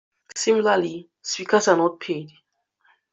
Similarly, speakers are not paid.